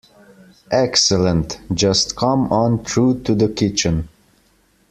Excellent, just come on through to the kitchen.